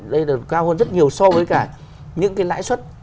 đây là cao hơn rất nhiều so với cả những cái lãi suất